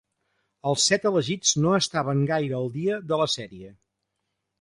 Els set elegits no estaven gaire al dia de la sèrie.